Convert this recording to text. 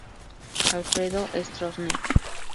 Alfredo Stroessner.